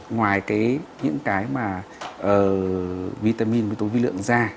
ngoài cái những cái mà vitamin miếng tố vi lượng da